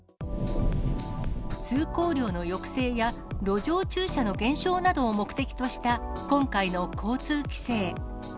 通行量の抑制や、路上駐車の減少などを目的とした、今回の交通規制。